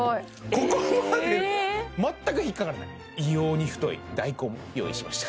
ここまで全く引っ掛からない異様に太い大根用意しました